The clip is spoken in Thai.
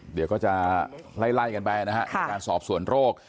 เดี๋ยวก็จะไล่กันแบบนี้นะครับการสอบส่วนโรค